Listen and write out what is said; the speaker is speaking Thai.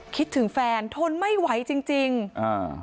คิดถึงแฟนทนไม่ไหวจริงจริงอ่า